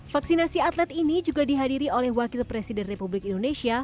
vaksinasi atlet ini juga dihadiri oleh wakil presiden republik indonesia